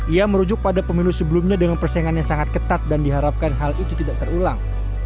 ia merujuk pada pemilu sebelumnya dengan persaingan yang sangat ketat dan diharapkan hal itu tidak terulang